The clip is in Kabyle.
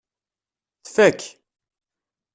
Tfak.